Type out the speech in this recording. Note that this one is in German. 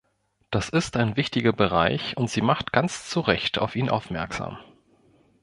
Das ist ein wichtiger Bereich, und sie macht ganz zu Recht auf ihn aufmerksam.